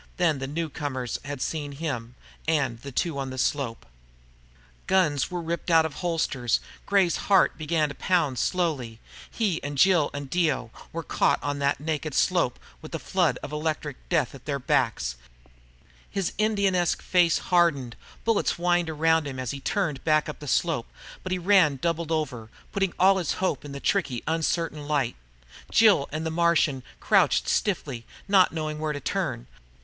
Then the newcomers had seen him, and the two on the slope. Guns ripped out of holsters. Gray's heart began to pound slowly. He, and Jill and Dio, were caught on that naked slope, with the flood of electric death at their backs. His Indianesque face hardened. Bullets whined round him as he turned back up the slope, but he ran doubled over, putting all his hope in the tricky, uncertain light. Jill and the Martian crouched stiffly, not knowing where to turn.